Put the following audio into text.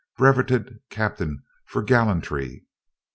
Brevetted captain for gallantry.